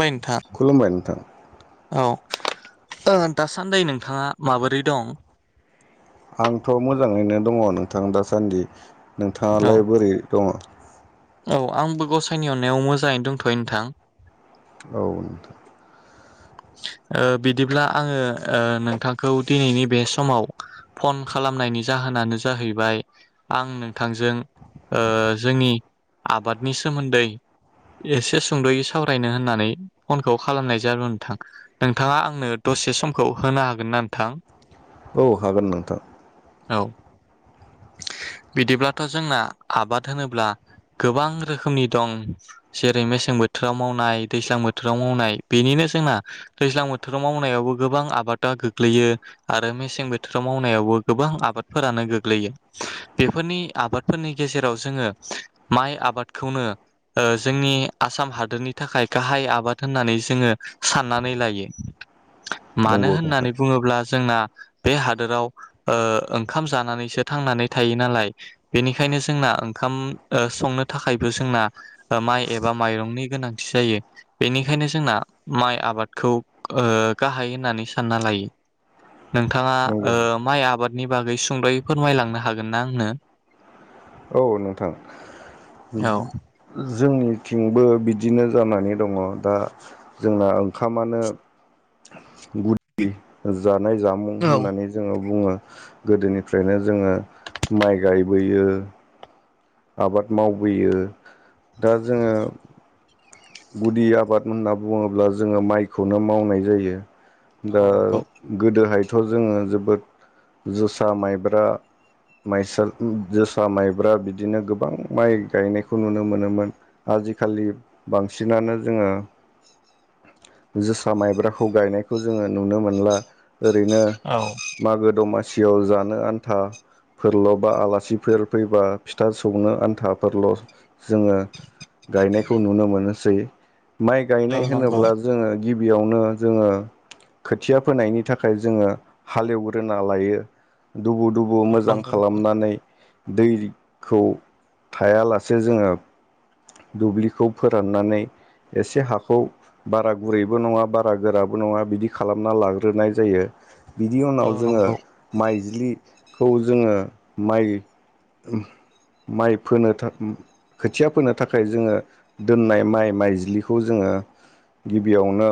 बाय नोंथा खुलुमबाय नोंथां औ ओ दासान्दि नोंथाङा माबोरै दं? आंथ' मोजाङैनो दङ नोंथां दासान्दि औ नोंथाङालाय बोरै? दङ औ आंबो गसाइनि अननायाव मोजाङै दंथ'यो नोंथां। औ नोंथां ओ बिदिब्ला आङो ओ नोंथांखौ दिनैनि बे समाव फन खालामनायनि जाहोनानो जाहैबाय आं नोंथांजों ओ जोंनि आबादनि सोमोन्दै एसे सुंद'यै सावरायनो होननानै फनखौ खालामनाय जादों नोंथां । नोंथाङा आंनो दसे समखौ होनो हागोन ना नोंथां? औ हागोन नोंथां। औ बिदिब्लाथ' जोंना आबाद होनोब्ला गोबां रोखोमनि दं जेरै मेसें बोथोराव मावनाय दैज्लां बोथोराव मावनाय बेनिनो जोंना दैज्लां बोथोराव मावनायावबो गोबां आबादा गोग्लैयो आरो मेसें बोथोराव मावनायावबो गोबां आबादफोरानो गोग्लैयो। बेफोरनि आबादफोरनि गेजेराव जोङो माइ आबादखौनो ओ जोंनि आसाम हादोरनि थाखाय गाहाय आबाद होननानै जोङो साननानै लायो। मानो नंगौ नोंथां होननानै बुङोब्ला जोंना बे हादोराव ओ ओंखाम जानानैसो थांनानै थायो नालाय बेनिखायनो जोंना ओंखाम ओ संनो थाखायबो जोंना माइ एबा माइरंनि गोनांथि जायो बेनिखायनो जोंना माइ आबादखौ ओ गाहाय होननानै सानना लायो। नोंथाङा नंगौ ओ नोंथां माइ आबादनि बागै सुंद'यै होलांनो हागोन ना आंनो? औ नोंथां औ [unintelligible] जोंनिथिंबो बिदिनो जानानै दङ दा जोंना खामानो गुद दि जाथ नाय जामुं होननानै जोङो बुङो गोदोनिफ्रायनो जोङो माइ गायबोयो आबाद मावबोयो दा जोङो गुदि आबाद होनना बुङोब्ला जोङो माइखौनो मावनाय जायो । औ दा नंगौ गोदोहाय थ' जोङो जोबोद जोसा माइब्रा माइसा जोसा माइब्रा बिदिनो गोबां माइ गायनायखौ नुनो मोनोमोन आजिखालि बांसिनानो जोङो जोसा माइब्राखौ गायनायखौ जोङो नुनो मोनला । ओरैनो औ मागो दमा सिवाव जानो आन्थाफोरल' बा आलासिफोर फैबा फिथा सौनो आन्थाफोरल' जोङो गायनायखौ नुनो मोनोसै माइ औ नंगौ होनोब्ला जोङो गिबियावनो जोङो खोथिया फोनायनि थाखाय जोङो हालेवग्रोना लायो । दुबु दुबु औ मोजां नंगौ खालामनानै दैखौ थायालासे जोङो दुब्लिखौ फोराननानै एसे हाखौ बारा गुरैबो नङा बारा गोराबो नङा बिदि खालामना लाग्रोनाय जायो । बिदि औ उनाव जोङो नंगौ माइज्लि खौ जोङो माइ माइ फोनो था खोथिया फोनो थाखाय जोङो दोननाय माइ माइज्लिखौ जोङो गिबियावनो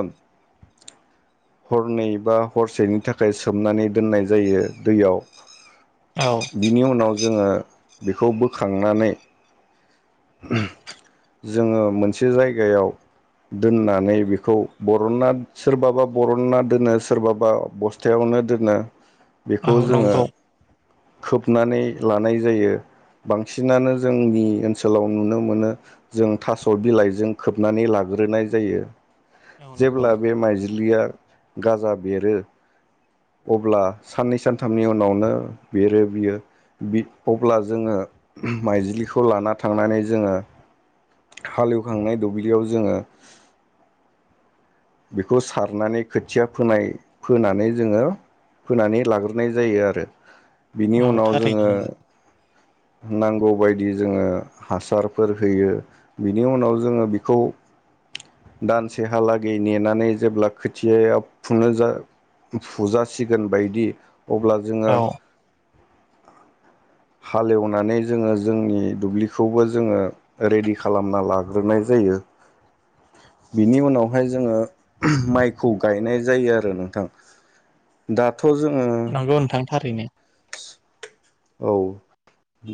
हरनै बा हरसेनि थाखाय सोमनानै दोननाय जायो दैयाव औ । बिनि उनाव जोङो बेखौ बोखांनानै ‌ जोङो मोनसे जायगायाव दोननानै बेखौ बरनना सोरबाबा बरनना दोनो सोरबाबा बस्थायावनो दोनो । औ बेखौ जोङो नंगौ खोबनानै लानाय जायो बांसिनानो जोंनि ओन सोलाव नुनो मोनो जों थास' बिलाइजों खोबनानै लाग्रोनाय जायो औ । नंगौ जेब्ला बे माइज्लिया गाजा बेरो अब्ला साननै सानथामनि उनावनो बेरो बियो अब्ला बि जोङो माइज्लिखौ लाना थांनानै जोङो हालेवखांनाय दुब्लियाव जोङो बेखौ सारनानै खोथिया फोनाय फोनानै जोङो फोनानै लाग्रोनाय जायो आरो । बिनि औ उनाव थारैनो जोङो नंगौ नांगौबायदि जोङो हासारफोर होयो बिनि उनाव जोङो बेखौ दानसेहालाग गै नेनानै जेब्ला खोथियाया फुनो जा फुजासिगोन बायदि अब्ला जोङो औ हालेवनानै जोङो जोंनि दुब्लिखौबो जोङो रेडि खालामना लाग्रोनाय जायो बिनि उनाव हाय जोङो माइखौ गायनाय जायो आरो नोंथां दाथ' जों नंगौ नोंथां थारैनो । औ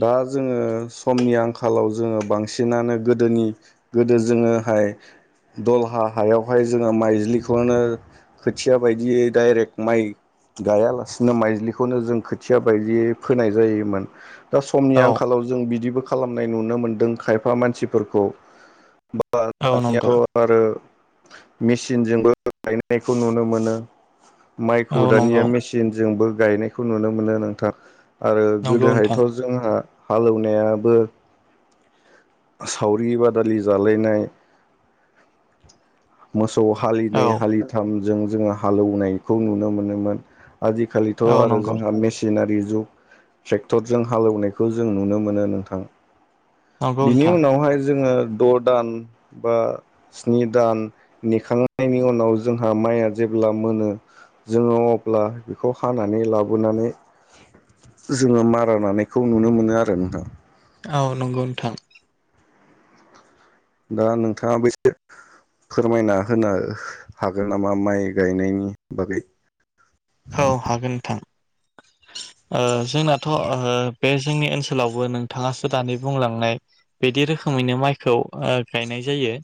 दा जोङो समनि आंखालाव जोङो बांसिनानो गोदोनि गोदो जोङोहाय दलहा हायावहाय जोङो माइज्लिखौनो खोथिया बायदियै डाइरेक्ट माइ गायालासिनो माइज्लिखौनो जों खोथिया बायदियै फोनाय जायोमोन । दा समनि औ आंखालाव जों बिदिबो खालामनाय नुनो मोनदों खायफा मानसिफोरखौ । बाबा औ दानियाथ' नंगौ आरो मिसिनजोंबो गायनायखौ नुनो मोनो औ माइखौ दानिया नंगौ मेसिनजोंबो गायनायखौ नुनो मोनो नोंथां। आरो नंगौ गोदोहायथ' नोंथां जोंहा हालौवनायाबो सावरि बादालि जालायनाय मोस खौ औ हालिनै हालिथाम जों जोङो हालौवनायखौ नुनो मोनोमोन। आजिखालिथ' औ आरो नंगौ जोंहा मेसिनारि जु ट्रेक्टरजों हालौवनायखौ जों नुनो मोनो नोंथां। नंगौ बिनि नोंथां उनावहाय जोङो द' दान बा स्नि दान नेखांनायनि उनाव जोंहा माइया जेब्ला मोनो जोङो अब्ला बेखौ हानानै लाबोनानै जोङो मारा नानायखौ नुनो मोनो आरो नोंथां। औ नंगौ नोंथां। दा नोंथाङा बेसे फोरमायना होनो हागोन नामा माइ गायनायनि बागै औ हागोन नोंथां। ओ जोंनाथ' ओ बे जोंनि ओनसोलावबो नोंथाङासो दानि बुंलांनाय बिदि रोखोमैनो माइखौ ओ गायनाय जायो।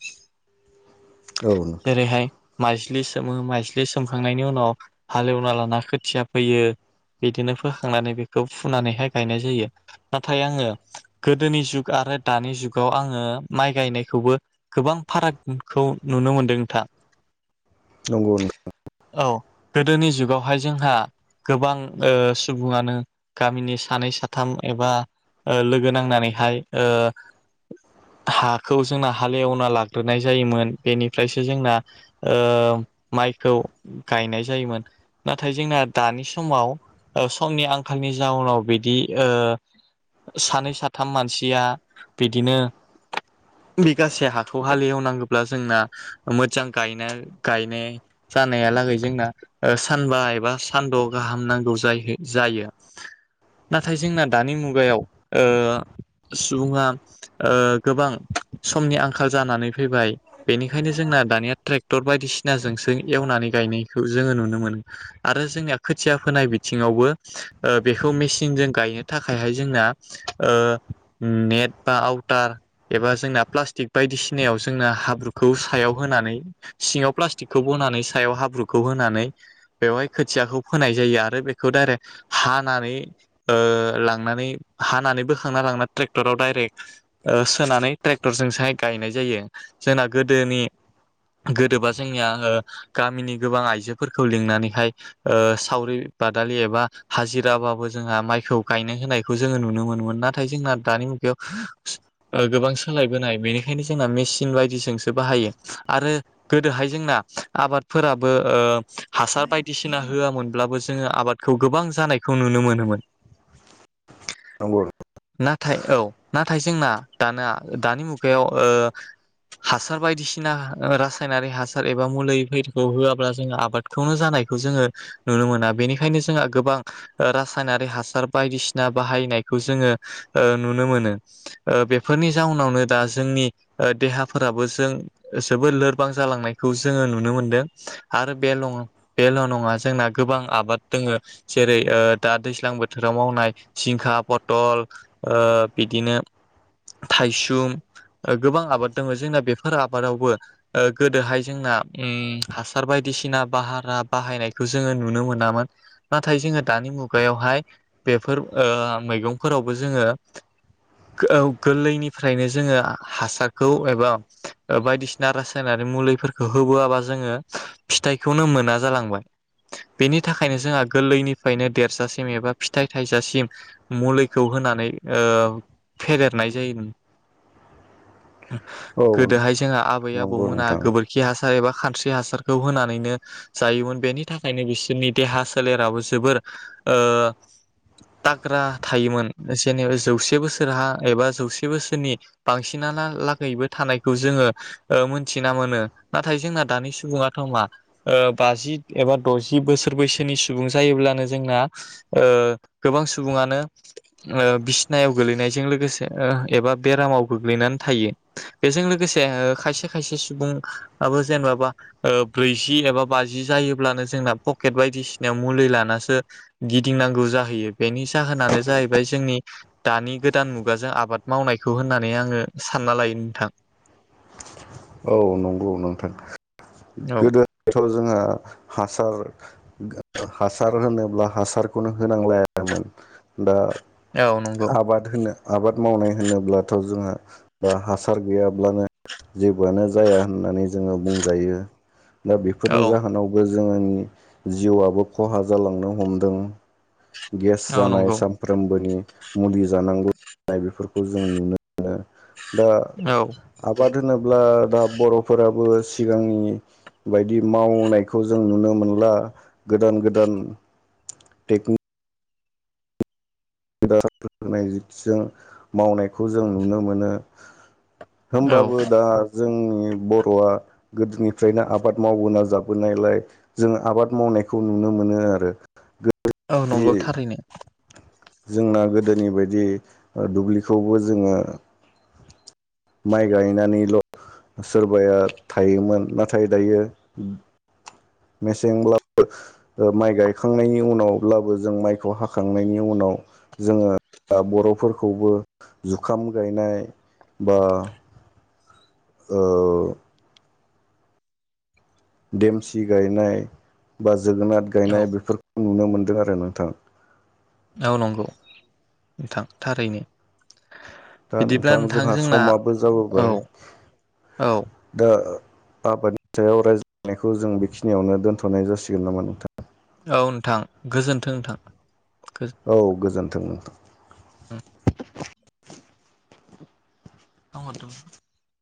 औ नोंथां। जेरैहाय माइज्लि सोमो माइज्लि सोमखांनायनि उनाव हालेव मालाना खोथिया फैयो बिदिनो फोखांनानै बेखौ फुनानैहाय गायनाय जायो नाथाय आङो गोदोनि जुग आरो दानि जुगाव आङो माइ गायनायखौबो गोबां फारागखौ नुनो मोनदों नोंथां। नंगौ नोंथां। औ गोदोनि जुग बेवहाय जोंहा गोबां ओ सुबुङानो गामिनि सानै साथाम एबा ओ लोगो नांनानैहाय ओ हाखौ जोंना हालेवना लाग्रोनाय जायोमोन बेनिफ्रायसो जोंना ओ माइखौ गायनाय जायोमोन। नाथाय जोंना दानि समाव समनि आंखालनि जाउनाव बिदि ओ सानै साथाम मानसिया बिदिनो बिगासे हाखौ हालेवनांगौब्ला जोंना मोजां गायना गायनाय जानायालागै जोंना ओ सानबा एबा सानद' गाहाम नांगौ जा जायो नाथाय जोंना दानि मुगायाव सुबुङा ओ गोबां समनि आंखाल जानानै फैबाय बेनिखायनो जोंना दानिया ट्रेक्टर बायदिसिनाजोंसो एवनानै गायनायखौ जोङो नुनो मोनो। आरो जोंनिया खोथिया फोनाय बिथिङावबो ओ बेखौ मेसिनजों गायनो थाखायहाय जोंना ओ नेट बा आवटार एबा जोंना प्लास्टिक बायदिसिनायाव जोंना हाब्रुखौ सायाव होनानै सिङाव प्लास्टिकखौ बनानै सायाव हाब्रुखौ होनानै बेवहाय खोथियाखौ फोनाय जायो आरो बेखौ डायरेक्ट हानानै ओ लांनानै हानानै बोखांना लांना ट्रेक्टराव डायरेक्ट ओ सोनानै ट्रेक्टरजोंसोहाय गायनाय जायो जोंना गोदोनि गोदोबा जोंनिया गामिनि गोबां आइजोफोरखौ लिंनानै हाय ओ सावरि बादालि एबा हाजिराबाबो जोंहा माइखौ गायनो होनायखौ जोङो नुनो मोनोमोन नाथाय जोंना दानि मुगायाव गोबां सोलायबोनाय बेनिखायनो जोंना मेसिन बायदिजोंसो बाहायो आरो गोदोहाय जोंना आबादफोराबो ओ हासार बाय बायदिसिना होयामोनब्लाबो जोङो आबादखौ गोबां जानायखौ नुनो मोनोमोन। आंगुर नाथाय औ नाथाय जोंना दाना दानि मुगायाव ओ हासार बायदिसिना रासायनारि हासार एबा मुलि इफोरबादिखौ होवाब्ला जोङो आबादखौनो जानाय जोङो नुनो मोना बेनिखायनो जोंहा गोबां रासायनारि हासार बायदिसिना बाहायनायखौ जोङो ओ नुनो मोनो ओ बेफोरनि जाउनावनो दा जोंनि देहाफोराबो जों जोबोद लोरबां जालांनायखौ जोङो नुनो मोनदों आरो बेनं बेल' नङा जोंना गोबां आबाद दोङो जेरै ओ दा दैज्लां बोथोराव मावनाय जिंखा पटल ओ बिदिनो थायसुम गोबां आबाद दङ जोंना बेफोर आबादावबो ओ गोदोहाय जोंना उम हासार बायदिसिना भाहारा बाहायनायखौ जोङो नुनो मोनामोन नाथाय जोङो दानि मुगायावहाय बेफोर ओ मैगंफोरावबो जोङो गौ गोरलैनिफ्रायनो जोङो हासारखौ एबा बायदिसिना रासायनारि मुलिफोरखौ होबोवाबा जोङो फिथाइखौनो मोना। जालांबाय बेनि थाखायनो जोंहा गोरलैनिफ्रायनो देरजासिम एबा फिथाइ थाइजासिम मुलिखौ होनानै ओ फेदेरनाय जायोमोन। औ गोदोहाय जोंहा आबै नंगौ आबौमोना नोंथां गोबोरखि हासार हासार एबा खानस्रि हासारखौ होनानैनो जायोमोन बेनि थाखायनो बिसोरनि देहा सोलेराबो जोबोर ओ थाग्रा थायोमोन जेनेबा जौसे बोसोरहा एबा जौसे बोसोरनि बांसिनालागैबो थानायखौ जोङो मोनथिना मोनो नाथाय जोंना दानि सुबुङाथ' मा ओ बाजि एबा द'जि बोसोर बैसोनि सुबुं जायोब्लानो जोंना ओ गोबां सुबुङानो ओ बिसिनायाव गोलैनायजों लोगोसे ओ एबा बेरामाव गोग्लैनानै थायो बेजों लोगोसे ओ खायसे खायसे सुबुङाबो जेमाबा ब्रैजि एबा बाजि जायोब्लानो जोंना पकेट बायदिसिनायाव मुलि लानासो गिदिंनांगौ जाहैयो बेनि जाहोनानो जाहैबाय जोंनि दानि गोदान मुगाजों आबाद मावनायखौ होननानै आङो सानना लायो नोंथां। औ नंगौ नोंथां औ गोदोथ' जोंहा हासार हासार होनोब्ला हासारखौनो होनांलायामोन दा औ नंगौ आबाद होनो आबाद मावनाय होनोब्लाथ' जोंहा ओ हासार गैयाब्लानो जेबोआनो जाया होननानै जोङो बुंजायो दा औ बेफोरनि जाहोनावबो जोङोनि जिवाबो खहा जालांनो हमदों गेस औ जानाय नंगौ साफ्रोमबोनि मुलि जानांगौ जानाय बेफोर जों नुनो मोनो दा औ आबाद द होनोब्ला दा बर'फोराबो सिगांनि बायदि मावनायखौ जों नुनो मोनला गोदान गोदान टेकनि द होन जों मावनायखौ जों नुनो मोनो औ होमबाबो दा जोंनि बर'आ गोदोनिफ्रायनो आबाद मावबोना जाबोनायलाय जों आबाद मावनायखौ नुनो मोनो आरो औ गोदोनि नंगौ थारैनो जोंना गोदोनि बायदि ओ दुब्लिखौबो जोङो माइ गायनानैल' सोरबाया थायोमोन नाथाय दायो मेसेंब्लाबो ओ माइ गायखांनायनि उनावब्लाबो जों माइखौ हाखांनायनि उनाव जोङो बर'फोरखौबो जुखाम गायनाय बा औ देमसि गायनाय बा जोगोनार औ गायनाय बेफोरखौ नुनो मोनदों आरो नोंथां औ नंगौ नोंथां थारैनो दा बिदिब्ला नोंथां जोंहा जोंना समाबो औ जाबोबाय औ दा आबादनि सायाव रायज्लायनायखौ जों बेखिनियावनो दोनथ'नाय जासिगोन नामा नोंथां औ नोंथां गोजोनथों नोंथां औ गोजोन [inaudible] गोजोन [inaudible]